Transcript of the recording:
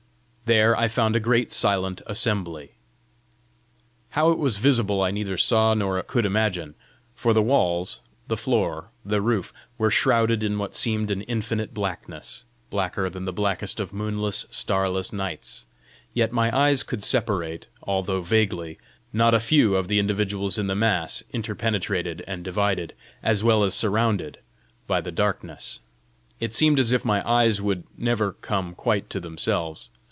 There I found a great silent assembly. How it was visible I neither saw nor could imagine, for the walls, the floor, the roof, were shrouded in what seemed an infinite blackness, blacker than the blackest of moonless, starless nights; yet my eyes could separate, although vaguely, not a few of the individuals in the mass interpenetrated and divided, as well as surrounded, by the darkness. It seemed as if my eyes would never come quite to themselves.